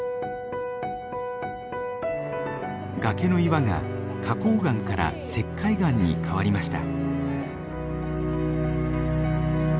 崖の岩が花崗岩から石灰岩に変わりました。